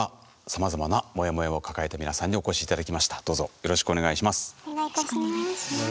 よろしくお願いします。